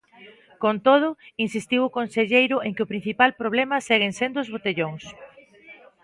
Con todo, insistiu o conselleiro en que o principal problema seguen sendo os botellóns.